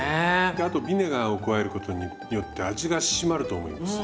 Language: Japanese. あとビネガーを加えることによって味が締まると思います。